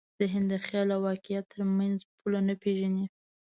ذهن د خیال او واقعیت تر منځ پوله نه پېژني.